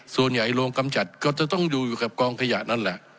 ส่วนใหญ่โรงกำจัดก็จะต้องอยู่กับกองขยะนั่นแหละ